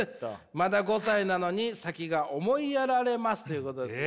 まだ５歳なのに先が思いやられます」。ということです。